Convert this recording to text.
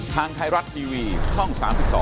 ทางไทยรัฐทีวีช่อง๓๒